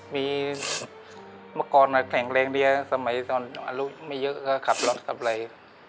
มีเมื่อก่อนแข็งแรงดีสมัยตอนอายุไม่เยอะก็ขับรถสับไร